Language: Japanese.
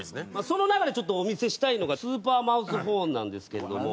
その中でちょっとお見せしたいのがスーパーマウスホーンなんですけれども。